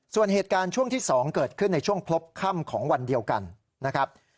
ส่วนเหตุการณ์ช่วงที่๒เกิดขึ้นในช่วงพบค่ำของวันเดียวกันนะครับ